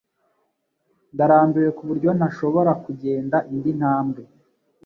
Ndarambiwe kuburyo ntashobora kugenda indi ntambwe